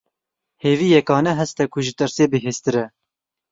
Hêvî, yekane hest e ku ji tirsê bihêztir e.